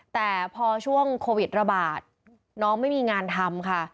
แต่พอช่วงโควิดระบาดน้องไม่มีงานทำค่ะ